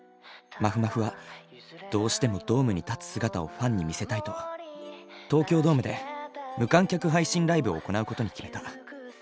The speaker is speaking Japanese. まふまふはどうしてもドームに立つ姿をファンに見せたいと東京ドームで無観客配信ライブを行うことに決めた。